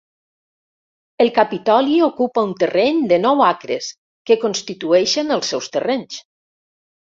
El capitoli ocupa un terreny de nou acres que constitueixen els seus terrenys.